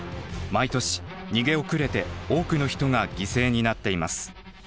毎年逃げ遅れて多くの人が犠牲になっています。